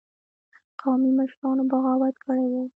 قومي مشرانو بغاوت کړی وو.